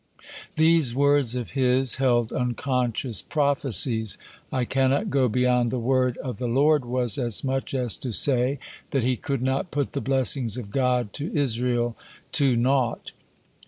These words of his held unconscious prophecies: "I cannot go beyond the word of the Lord," was as much as to say that he could not put the blessings of God to Israel to naught.